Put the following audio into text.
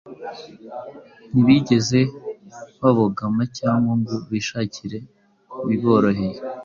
ntibigeze babogama cyangwa ngo bishakire ibiboroheye